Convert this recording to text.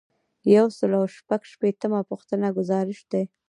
یو سل او شپږ شپیتمه پوښتنه ګزارش دی.